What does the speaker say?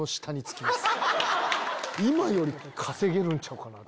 今より稼げるんちゃうかな？